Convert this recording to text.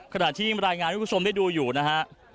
ขณะที่รายงานให้คุณผู้ชมได้ดูอยู่นะฮะ